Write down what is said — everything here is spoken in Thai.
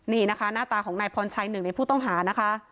นี่นะคะหน้าตาของนายพรชัยหนึ่งในผู้ต้องหานะคะ